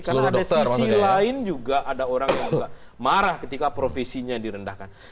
karena ada sisi lain juga ada orang yang marah ketika profesinya direndahkan